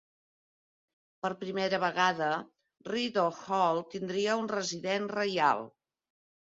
Per primera vegada, Rideau Hall tindria un resident reial.